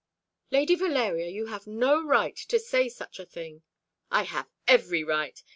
"Lady Valeria, you have no right to say such a thing." "I have every right.